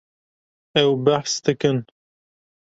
Ew behs dikin.